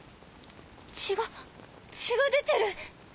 血が血が出てる。